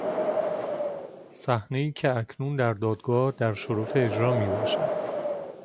صحنهای که اکنون در دادگاه در شرف اجرا می باشد.